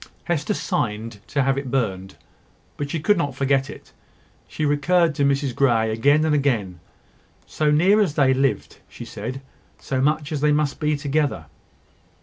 Hester signed to have it burned; but she could not forget it. She recurred to Mrs Grey, again and again. "So near as they lived," she said "so much as they must be together."